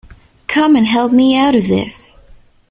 Come and help me out of this!’